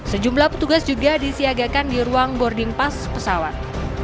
sejumlah petugas juga disiagakan di ruang boarding pass pesawat